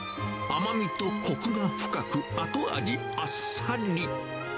甘みとこくが深く、あと味あっさり。